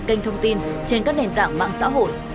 kênh thông tin trên các nền tảng mạng xã hội